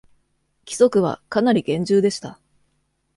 規則は、かなり厳重でした。